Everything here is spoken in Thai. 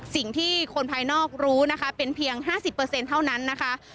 สิ่งที่คนภายนอกรู้นะคะเป็นเพียง๕๐เท่านั้นนะคะ